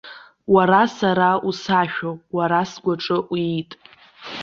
Уара сара усашәоуп, уара сгәаҿы уиит.